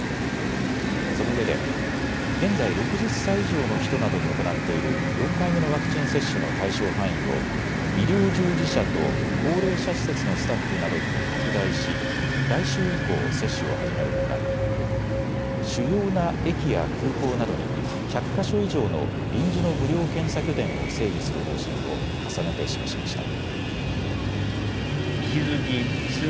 そのうえで現在６０歳以上の人などに行っている４回目のワクチン接種の対象範囲を医療従事者と高齢者施設のスタッフなどにも拡大し来週以降、接種を始めるほか主要な駅や空港などに１００か所以上の臨時の無料検査拠点を整備する方針を重ねて示しました。